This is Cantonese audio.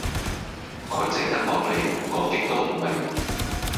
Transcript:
佢正一茂里，講極都唔明